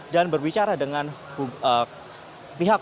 dan berbicara dengan pihak pihaknya